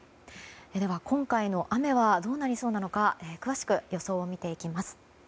では、今回の雨はどうなりそうなのか詳しく予想を見てみます。